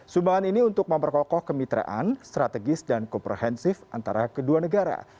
sumbangan ini untuk memperkokoh kemitraan strategis dan komprehensif antara kedua negara